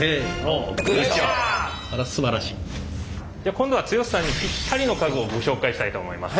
じゃあ今度は剛さんにぴったりの家具をご紹介したいと思います。